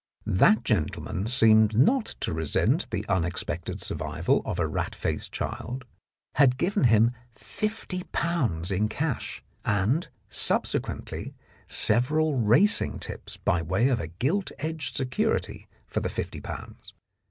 That gentleman seemed not to resent the unexpected survival of a rat faced child, had given him fifty pounds in cash, and, subse quently, several racing tips by way of a gilt edged security for the fifty pounds.